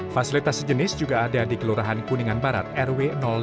fasilitas sejenis juga ada di kelurahan kuningan barat rw dua